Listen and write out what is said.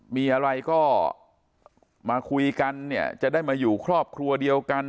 มีอะไรก็มาคุยกันเนี่ยจะได้มาอยู่ครอบครัวเดียวกัน